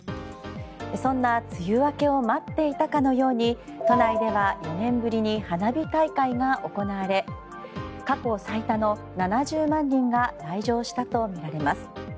そんな梅雨明けを待っていたかのように都内では４年ぶりに花火大会が行われ過去最多の７０万人が来場したとみられます。